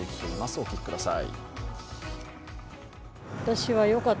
お聞きください。